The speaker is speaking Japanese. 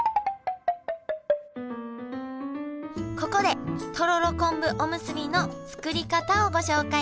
ここでとろろ昆布おむすびの作り方をご紹介。